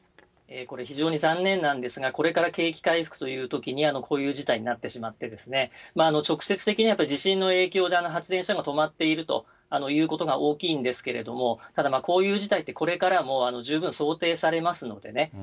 これ非常に残念なんですが、これから景気回復というときに、こういう事態になってしまってですね、直接的には地震の影響で発電所が止まっているということが大きいんですけれども、ただこういう事態って、これからも十分想定されますのでね。